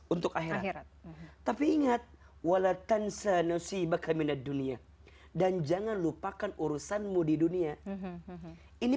untuk akhirat tapi ingat walatansa nasibaka minad dunia dan jangan lupakan urusanmu di dunia ini